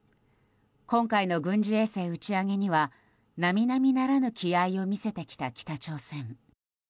今回の軍事衛星打ち上げには並々ならぬ気合を見せてきた北朝鮮。